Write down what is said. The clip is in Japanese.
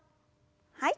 はい。